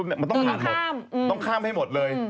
มันต้องผ่านหมดต้องข้ามให้หมดเลย